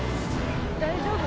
大丈夫？